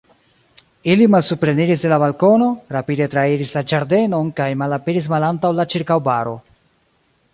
Ili malsupreniris de la balkono, rapide trairis la ĝardenon kaj malaperis malantaŭ la ĉirkaŭbaro.